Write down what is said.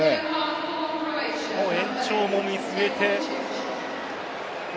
もう延長も見据えて。